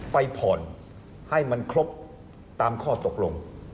ไปผ่อนให้มันครบตามข้อตกลง